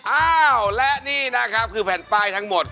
อ้าวและนี่นะครับคือแผ่นป้ายทั้งหมด